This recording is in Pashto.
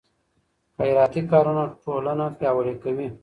خیراتي کارونه ټولنه پیاوړې کوي.